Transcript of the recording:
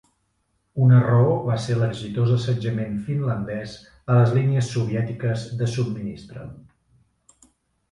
Una raó va ser l"exitós assetjament finlandès a les línies soviètiques de subministre.